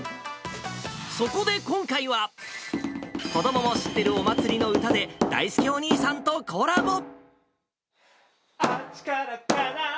そこで今回は、子どもも知ってるお祭りの歌で、だいすけお兄さんとコラボ。